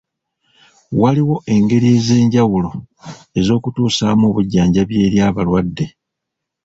Waliwo engeri ez'enjawulo ez'okutusaamu obujjanjabi eri abalwadde.